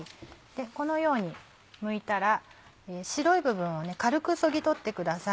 このようにむいたら白い部分を軽くそぎ取ってください。